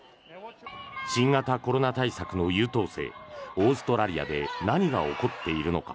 新型コロナ対策の優等生オーストラリアで何が起こっているのか。